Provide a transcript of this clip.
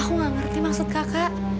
aku gak ngerti maksud kakak